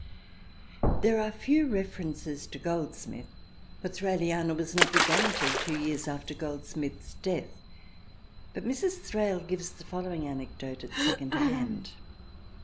There are few references to Goldsmith, for Thraliana was not begun till two years after Goldsmith's death, but Mrs. Thrale gives the following anecdote at second hand.